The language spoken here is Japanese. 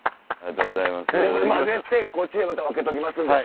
これ混ぜてこっちでまた分けときますんで。